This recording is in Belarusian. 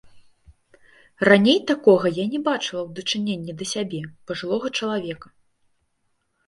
Раней такога я не бачыла ў дачыненні да сябе, пажылога чалавека.